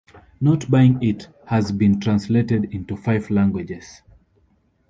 "Not Buying It" has been translated into five languages.